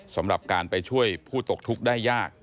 สำหรับการไปช่วยผู้ตกทุกข์ได้ยาก